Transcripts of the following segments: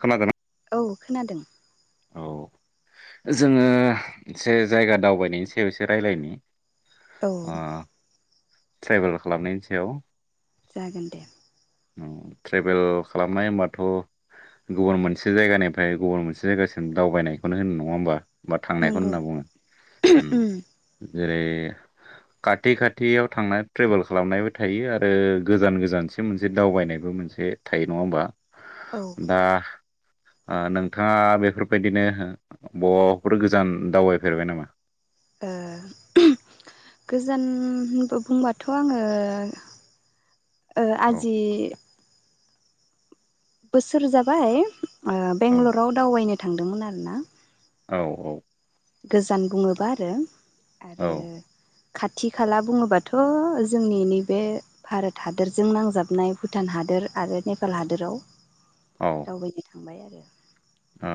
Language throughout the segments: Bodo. खोनादों औ खोनादों औ जोङो एसे जायगा दावबायनायनि सायाव एसे रायलायनि औ ओ ट्रेभेल खालामनायनि सायाव जागोन दे ट्रेभेल खालामनाय होमबाथ' गुबुन मोनसे जायगानिफ्राय गुबुन मोनसे जायगासिम दावबायनायखौनो होनो नङा होमबा बा थांनायखौ नोंगौ होनना बुङो उम जेरै खाथि खाथियाव थांनाय ट्रेभेल खालामनायबो थायो आरो गोजान गोजानसिम मोनसे दावबायनायबो मोनसे थायो नङा होमबा औ ओ दा [inaudible] ओ नोंथाङा बेफोरबायदिनो बबाफोर गोजान दावबायफेरबाय नामा ओ गोजानबो बुंबाथ' आङो ओ औ आजि बोसोर जाबाय ओ औ बेंगलराव दावबायनो थांदोंमोन आरोना औ औ गोजान बुङोब्ला आरो औ आरो खाथि खाला बुङोबाथ' जोंनि नैबे भारत हादोरजों नांजाबनाय भुटान हा दोर आरो नेपाल हादोराव औ दावबायनो थांबाय आरो ओ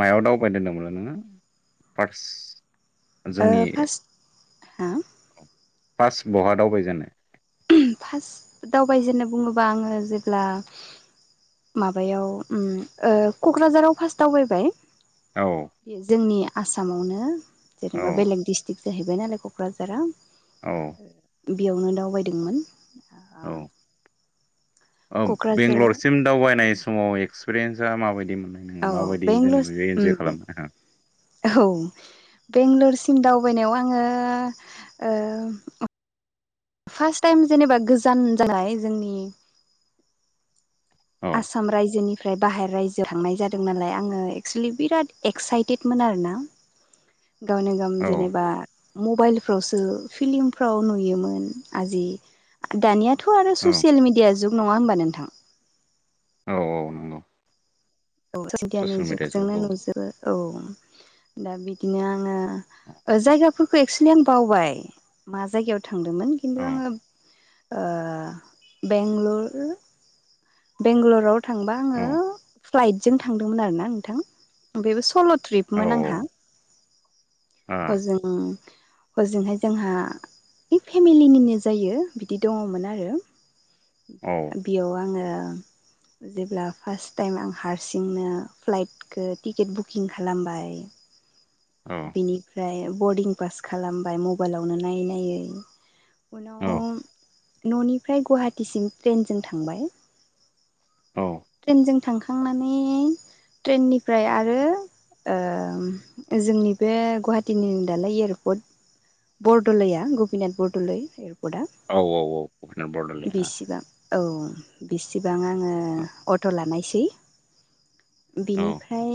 मायाव दावबाय दोनदोंमोन नोङो फार्स्ट ओ जोंनि फार्स्ट हा फास बहा दावबायजेननाय? फार्स्ट दावबायजेननाय बुङोबा आङो जेब्ला माबायाव क'क्राझाराव फार्स्ट दावबायबाय औ बे जोंनि आसामावनो औ जेनेबा बेलेग डिस्ट्रिक जाहैबाय नालाय क'क्राझारा औ बियावनो दावबायदोंमोन ओ ओ बेंगलरसिम दावबायनाय समाव एक्सपिरियेन्सा माबायदिमोन? औ बेंगलर उम औ बेंगलर सिम दावबायनायाव आङो ओ फार्स्ट टाइम जेनेबा गोजान जानाय जोंनि औ आसाम रायजोनिफ्राय बाहेर राय जोयाव थांनाय जादों नालाय आङो एक्सेलि बिराद एक्साइटेदमोन आरोना गावनो गाव औ जेनेबा मबाइलफ्रावसो फिलिमफ्राव नुयोमोन आजि दानिया थ' आरो औ ससियेल मिडिया जुग नङा होनोमबा नोंथां औ औ नंगौ औ [unintelligible] गियानि ससियेल मिडिया जुग जुगजोंनो औ नुजोबो औ दा बिदिनो आङो जायगाफोरखौ एक्सुलि आं बावबाय मा जायगायाव थांदोंमोन औ खिन्थु आङो बेंगलर बेंगालराव थांबा औ आङो फ्लाइटजों थांदोंमोन आरोना नोंथां बेबो सल' औ ट्रिपमोन आंहा आ हजों हजोंहाय जोंहा फेमिलिनिनो जायो बिदि दङमोन आरो औ दा बेयाव आङो [inaudible] जेब्ला फार्स्ट टाइम आं हारसिंनो फ्लाइटखौ टिकेट बुकिं खालामबाय। औ बिनिफ्राय बरडिं पास खालामबाय मबाइलावनो नायै नायै उनाव न'निफ्राय गुवाहाटिसिम ट्रेनजों थांबाय। औ ट्रेनजों थांखांनानै ट्रेननिफ्राय आरो जोंनि बे गुवाहाटीनि दालाय एयारपर्ट बरद'लैया गपिनाथ बरद'लै एयारपर्टआ औ औ भुटान बरदारलै बिसिबां औ बिसिबां आङो औ अट' लानायसै औ बिनिफ्राय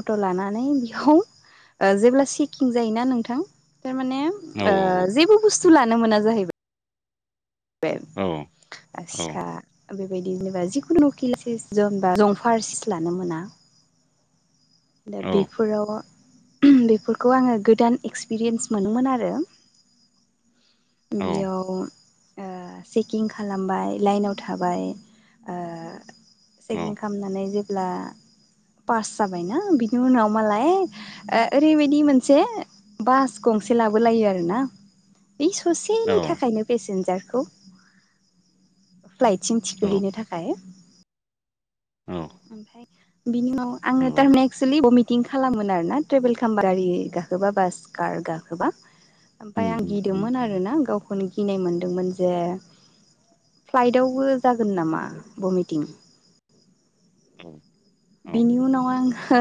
अट' लानानै बेयाव जेब्ला चेकिं जायोना नोंथां थारमाने औ जेबो बुस्थु लानो मोना जाहैबाय बे औ आससा बेबायदि जेनेबा जिखुनु किल सिज बा जंफार सिस लानो मोना। दा औ बेफोराव बेफोरखौ आङो गोदान एक्सपिरियेन्स मोनदोंमोन आरो बेयाव चेकिं खालामबाय लाइनाव थाबाय चेकिं खालामनानै जेब्ला पास जाबायना बिनि उनाव मालाय ओरैबायदि मोनसे बास गंसे लाबोलायो आरोना। बे औ ससेनि थाखायनो पेसेन्जारखौ फ्लाइट सिम औ थिखोहैनो थाखाय। औ ओमफ्राय बिनि उनाव आङो नंगौ थारमाने एक्सुलि बमिट टिं खालामोन आरोना ट्रेभेल खालामबा गारि गाखोबा बास कार गाखोबा‌। ओमफाय उम आं उम गिदोंमोन आर उम ना गावखौनो गिनाय मोनदोंमोन जे उम फ्लाइटआवबो जागोन नामा? भमिटिं औ बिनि उनाव आंङो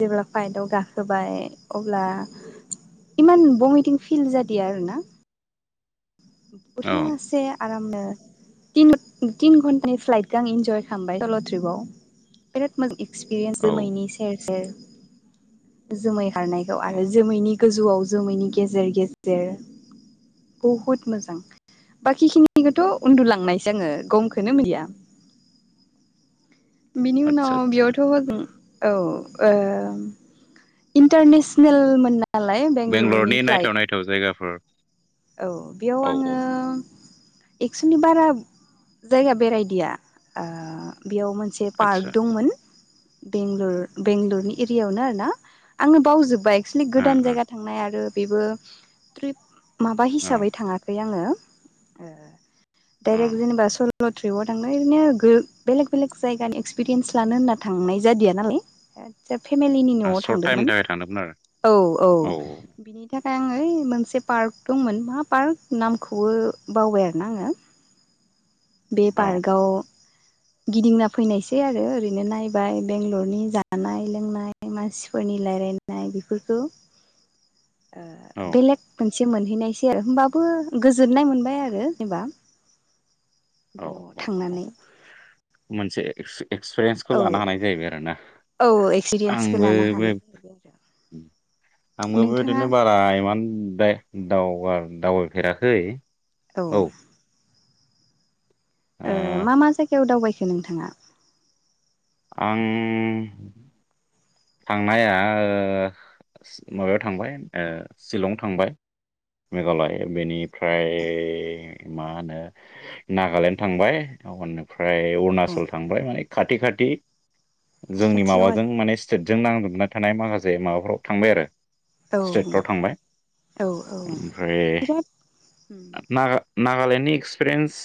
जेब्ला फाइटआव गाखोबाय अब्ला इमान भमिटिं फिल जाद आरो ना औ [unintelligible] आरामनो तिन घन्टानि फ्लाइटखौ आं इन्जय खालामबाय सल' ट्रिपाव। बिराद मो एक्सपिरियेन्स औ जोमैनि सेर सेर जोमै खारनायखौ औ आरो जोमैनि गोजौआव जोमैनि गेजेर गेजेर बुहुद मोजां बाखिखिनिखौथ' उन्दुलांनायसै आङो गमखौननो गैया। [inaudible] बिनि आदसा उनाव आदसा बेयावथ' हजों औ इन्टारनेसनेल मोन लाय बेंगलुरुनि बेंगलरनि नायथाव फ्लाइट नायथाव जायगाफोर औ बेयाव औ आंङो औ एक्सुलि बारा जायगा बेरायदिया बेयाव मोनसे पार्क आदसा दंमोन बेंल बेंगलरनि उम एरियायावनो आर ना। आंङो बावजोब्बाय एक्सलि ओ गोदान जायगा थांनाय आरो बेबो ट्रिप माबा हिसाबै ओ थाङांखै आङो औ डाइरेक्ट जेनेबा स स' ट्रिपआव थांदों ओरैनो बेलेग बेलेग जायगानि एक्सपिरियेन्स लानो होन्ना थांनाय जादिया नालाय आदसा फेमिलिनि ओ न'आव सर्ट टाइमनि थांदोंमोन थाखाय थांदोंमोन आरो औ औ बिनि थाखाय आं ओइ मोनसे पार्क दंमोन मा पार्क नामखौबो बावबाय आरोना आङो बे औ पार्कआव गिदिंना फैनायसै आरो ओरैनो नायबाय बेंगलरनि जानाय लोंनाय मानसिफोरनि रायलाय नाय बेफोरखौ औ बेलेग मोनसे हैनायसै आरो होमबाबो गोजोननाय मोनबाय आरो जेनेबा औ बेयाव औ औ थांनानै मोनसे एक्सपिरियेन्सखौ औ लानो हानाय जाहैबाय आरोना औ एक्सपिरियेन्सखौ आंबो लानो बे हानाय आंबो नोंथाङा बेबादिनो बारा इमान द्राय दाव दावबायफेराखै औ मा मा जायगायाव दावबायखो नोंथाङा आं थांनाया माबायाव थांबाय सिलं थांबाय मेघालय बेनिफ्राय मा होनो नागालेण्ड थांबाय निफ्राय औ अरुणाचल थांबाय माने खाथि खाथि खाथि जोंनि खाथियाव माबाजों आरो माने जों नांजाबना थानाय माखासे माबाफ्राव थांबाय आरो स्टेटफ्राव औ थांबाय औ औ ओमफ्राय बिराद नागा नागालेण्डनि एक्सपिरियेन्स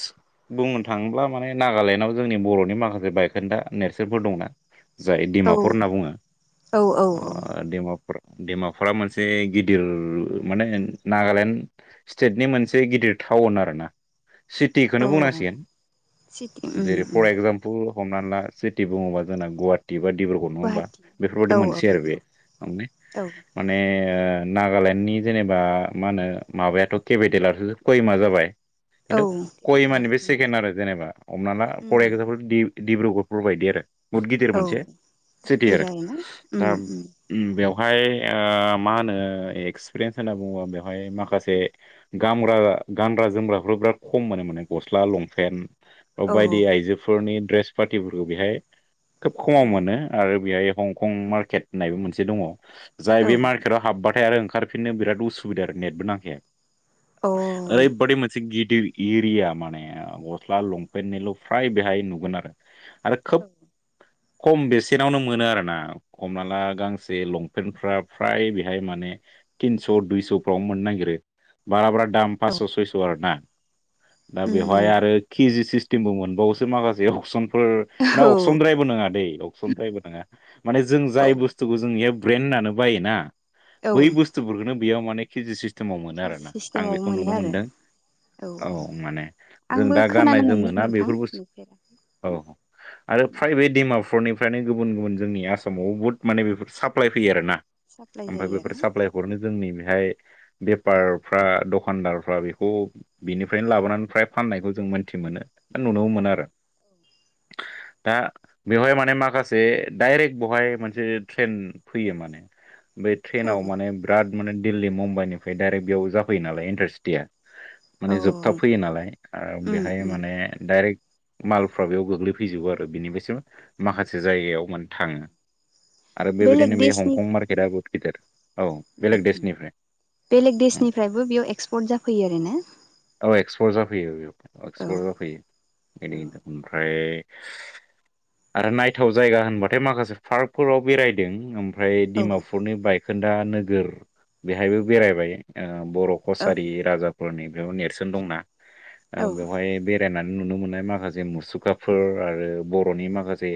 बुंनो थांङोब्ला माने नागालेण्डआव जोंनि बर'नि माखासे बायखोन्दा नेरसोनफोर दंना जाय औ डिमापुर होनना बुंङो औ औ औ डिमापुरा मोनसे गिदिर माने नागालेण्ड स्टेटनि मोनसे गिद गिदिर टाउन आरो ना सिटिखौनो औ बुंनांसिगोन सिटि उम जेरै उम फर एक्जामपोल हमनानै ला सिटि बुङोबा जोंना गुवाहाटि एबा डिब्रुगड नङा होमबा गुवाहाटि बेफोरबायदि औ औ मोनसे आरो बे नंगौ औ माने नागालेण्डनि जेनेबा मा होनो माबायाथ' केपिटेलाथ' खैमा जाबाय औ खिन्थु केपिटेलाबो करिमानिफ्राय सेकेण्ड आरो जेनेबा हमना ला फर उम एक्जामपोल दि डिब्रुगड़ फोरबायदि आरो बहुद गिदिर मोनसे सिटि आरो नंगौ उ उ ओमफ्राय ओ मा होनो एक्सपिरियेन्स होनना बुङोबा बेवहाय माखासे गामग्रा गानग्रा जोमग्राफोर बिराद खम मोनो माने गस्ला, लंपेन्ट औ बायदि आइजोफोरनि ड्रेस पार्टिफोरखौ बेहाय खोब खमाव उम मोनो आरो बेहाय हंकं मार्केट होननायबो मोनसे दङ जाय औ अ बे मार्केटआव हाबबा थाय आरो ओंखारफिनो बिराद उसुबिदा आरो नेटबो नांखाया औ ओरैबादि मोनसे गिद इर एरिया माने गस्ला लंपेन्टनिल' फ्राय बेहाय नुगोन आरो आरो खोब खम बेसेनावनो मोनो आरो हमना ला गांसे लंपेनफ्रा फ्राय बेहाय माने थिनस' दुइस'फ्राव मोननो नागिरो बारा बारा दाम पासस' सयस' आरो ना दा उम बेवहाय आरो केजि सिस्टेमबो मोनबावोसो माखासे अपसन फोर माने औ अक्सनद्रायबो नङा दै अक्सद्रायबो नङा माने जों जाय औ बुस्थुखौ जोंनिया ब्रेन होननानै बायोना औ बै बुस्थुफोरफोरखौनो बेयाव माने केजि सिस्टेमाव मोनो केजि आरोना आं सिस्टेमाव बेखौ मोनो नुनो आरो मोनदों। औ माने जों आंबो दा गाननाय खोनानो मोनदों जोमोना नोंथां बेफोर बुस्थु नुफेरा औ आरो प्राय बे डिमापुरनि फ्रायनो गुबुन गुबुन जोंनि आसामाव बहुद माने बेफोर साप्लाय फैयो आरोना साप्लाय ओमफाय जायो बेफोर आरोना साप्लाय हरनो जोंनि बेहाय बेपारफ्रा दखानदारफ्रा बेखौ बिनिफ्रायनो लाबोनानै फ्राय फाननायखौ जों मोनथि मोनो नुनोबो मोनो आरो दा बेवहाय माने माखासे डाइरेक्ट बहाय मोनसे ट्रेन फैयो माने बे औ ट्रेनाव माने बिराद माने दिल्ली मुम्बाइनिफ्राय डाइरेक्ट बेयाव जाफैयो नालाय इन्टारसिटिया औ माने जोबथा फैयो नालाय आरो उम बेहाय उम माने डाइरेक्ट मालफ्रा बेयाव गोग्लैफैजोबो आरो बेनिफ्रायसो माखासे जायगायाव मान थाङो आरो बेलेग बेबायदिनो बे देशनि हंखं मार्केटआ बहुत गिदिर औ बेलेग देशनिफ्राय बेलेग उम। देशनिफ्रायबो बेयाव एक्सपर्ट जाफैयो आरोना एक्सपर जाफैयो बे औ एक्सपर जाफैयो औ बि ओमफ्राय आरो नायथाव जायगा होनबाथाय माखासे पार्कफोराव बेरायदों। ओमफ्राय डिमापुरनि बायखोन्दा नोगोर बेहायबो बेरायबाय। बर' औ कसारि राजाफोरनि बेव नेरसोन दंना औ बेवहाय बे बेरायनानै नुनो मोननाय माखासे मुसुखाफोर आरो बर'नि माखासे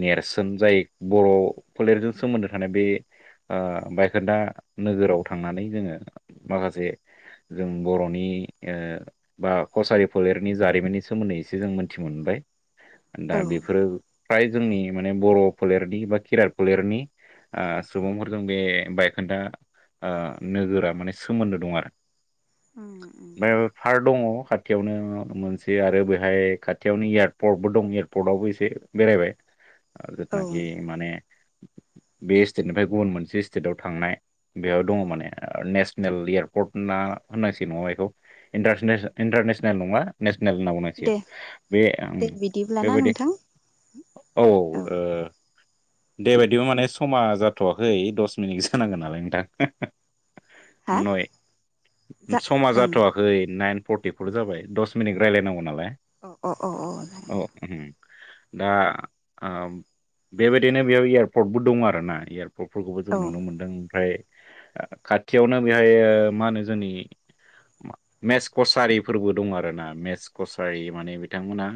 नेरस जाय बर' फोलेरजों सोमोन्दो थानाय बे ओ बायखोनदा नोगोराव थां नानै जोङो माखासे जों बर'नि ओ बा कसारि फोलेर नि जारिमिननि सोमोन्दै एसे जों मोनथि मोनबाय दा औ बेफोरो फ्राय जोंनि माने बर' फोलेरनि बा खिरात फोलेरनि ओ सुबुंफोरजों बे बायखोन्दा ओ नोगोरा माने सोमोन्दो दं आरो उम उम फाय माबा पार्क दङ'। खाथियावनो मोनसे आरो बेहाय खाथियावनो एयारपर्टबो दं एयारपर्टआवबो एसे बेरायबाय औ जेथनाखि माने [inaudible] बे स्टेटनिफ्राय गुबुन मोनसे स्टेटआव थांनाय बेयाव दङ' माने नेसनेल एयारपर्ट ना नां ना बे इतारस-इनतारनेसनेल नङा ने नेल होनना दे बुंनांसिगोन बे दे बिदिब्लाना बेबायदि नोंथां औ औ ओ। दे बायदिबो माने समा जाथ'वाखै दस मिनिट जानांगोन नालाय नोंथां। हा नय जा समा ओं जाथ'वाखै नाइन फर्टिफर जाबाय दस मिनिट रायलायनांगौ नालाय। अ अ अ अ। औ दा ओम बेबायदिनो बेयाव एयारपर्टबो दङ' आरना एयाव फोरखौबो जों अ नुनो मोनदों ओमफ्राय खाथियावनो बेहाय मा होनो जोंनि मेस कचारिफोरबो दं आरोना मेस कसारि माने बिथांमोना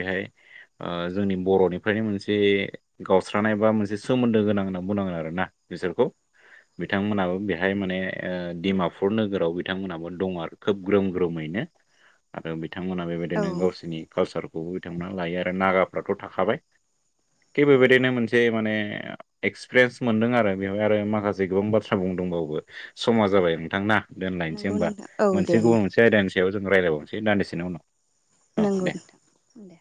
बेहाय ओ जोंनि बर'नि बेफोरनो मोनसे गावस्रानाय बा मोनसे सोमोन्दो गोनां होनना बुंनांगोन आरोना बिसोरखौ बिथांमोनाबो बेहाय माने ओ डिमापुर नोगोराव बिथांमोनाबो दं आरो खोब ग्रोम ग्रोमैनो आरो बिथांमोनहा जागोन औ बेबायदिनो गावसोरनि कालसारखौबो बिथांमोना लायो आरो नागाफ्राथ' थाखाबाय थिग औ बेबायदिनो मोनसे माने एक्सपिरियेन्स मोनदों आरो बेवहाय आरो माखासे गोबां बाथ्रा बुंनोदोंबावो समा जाबाय नोंथांना। दोनलायनोसै नंगौ होमबा नोंथां औ दे मोनसे गुबुन नोंथां मोनसे आयदानि सायाव जों रायलायबावनोसै दान्दिसेनि उनाव औ नंगौ दे नोंथां दे।